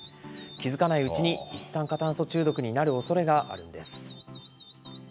気付かないうちに一酸化炭素中毒になるおそれがあるんです。